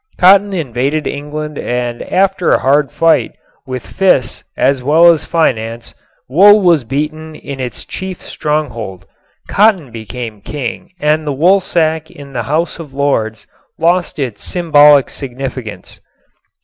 Cotton invaded England and after a hard fight, with fists as well as finance, wool was beaten in its chief stronghold. Cotton became King and the wool sack in the House of Lords lost its symbolic significance.